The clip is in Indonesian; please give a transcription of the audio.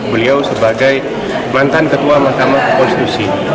beliau sebagai mantan ketua mahkamah konstitusi